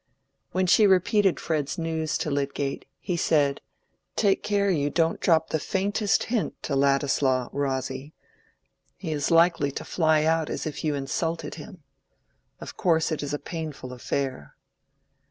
When she repeated Fred's news to Lydgate, he said, "Take care you don't drop the faintest hint to Ladislaw, Rosy. He is likely to fly out as if you insulted him. Of course it is a painful affair."